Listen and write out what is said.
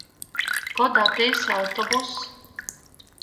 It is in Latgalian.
Kod atīs autobuss?